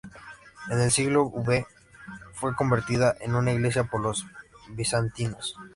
En el siglo V fue convertida en una iglesia por los bizantinos.